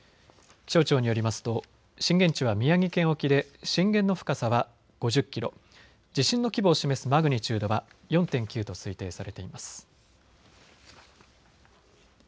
気象庁によりますと震源地は宮城県沖で震源の深さは５０キロ、地震の規模を示すマグニチュードは４．９と推定されています。